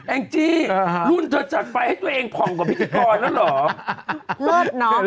งจี้รุ่นเธอจัดไฟให้ตัวเองผ่องกว่าพิธีกรแล้วเหรอ